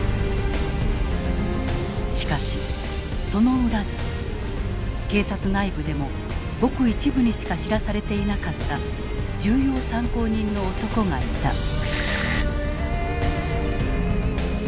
しかしその裏で警察内部でもごく一部にしか知らされていなかった重要参考人の男がいた。